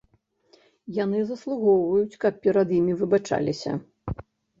Яны заслугоўваюць, каб перад імі выбачыліся.